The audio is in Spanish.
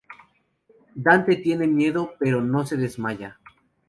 Dante tiene miedo, pero no se desmaya.